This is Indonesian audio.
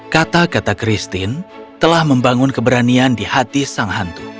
kata kata christine telah membangun keberanian di hati sang hantu